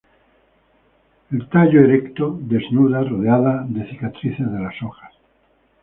El tallo erecto, desnuda, rodeada de cicatrices de las hojas.